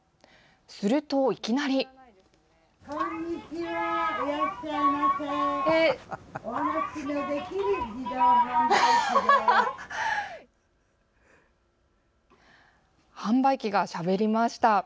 すると、いきなり。販売機がしゃべりました。